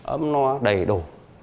ấm no đầy đủ